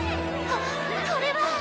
ここれは。